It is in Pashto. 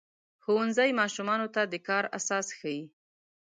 ښوونځی ماشومانو ته د کار اساس ښيي.